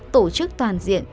tổ chức toàn diện